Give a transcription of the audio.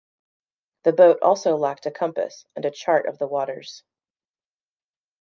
The boat also lacked a compass and a chart of the waters.